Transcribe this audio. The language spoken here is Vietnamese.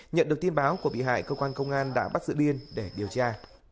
nhận được tin báo của bị hại cơ quan công an đã bắt giữ biên để điều tra